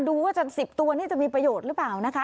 ดูว่าจาก๑๐ตัวนี่จะมีประโยชน์หรือเปล่านะคะ